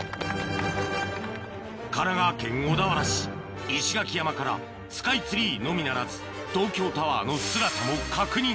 神奈川県小田原市石垣山からスカイツリーのみならず東京タワーの姿も確認